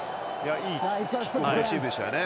いいレシーブでしたよね。